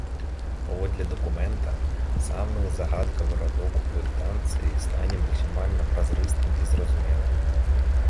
Паводле дакумента, самы загадкавы радок у квітанцыі стане максімальна празрыстым і зразумелым.